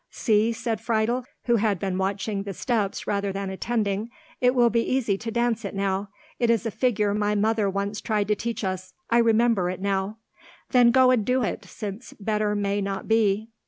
"See," said Friedel, who had been watching the steps rather than attending, "it will be easy to dance it now. It is a figure my mother once tried to teach us. I remember it now." "Then go and do it, since better may not be."